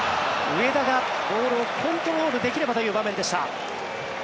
上田がボールをコントロールできればという場面でした。